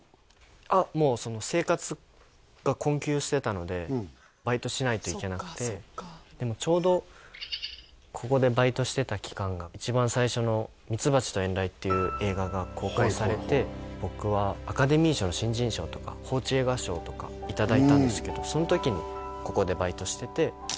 あっもう生活が困窮してたのでバイトしないといけなくてそっかそっかでもちょうどここでバイトしてた期間が一番最初の「蜜蜂と遠雷」っていう映画が公開されて僕はアカデミー賞の新人賞とか報知映画賞とかいただいたんですけどその時にここでバイトしててバイト行って次の日授賞式行ってバイト行って